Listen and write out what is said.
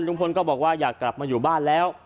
ลุงพลก็บอกว่าอยากกลับมาอยู่บ้านแล้ว